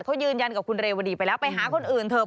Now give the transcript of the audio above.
เขายืนยันกับคุณเรวดีไปแล้วไปหาคนอื่นเถอะ